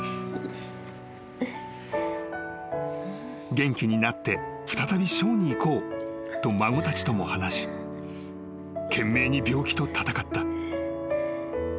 ［元気になって再びショーに行こうと孫たちとも話し懸命に病気と闘った］